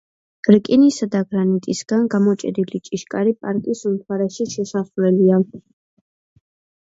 რკინისა და გრანიტისგან გამოჭედილი ჭიშკარი პარკის უმთავრესი შესასვლელია.